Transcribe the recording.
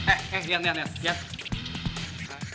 eh eh lihat lihat lihat